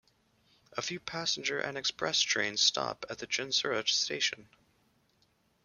A few passenger and express trains stop at the Chinsurah station.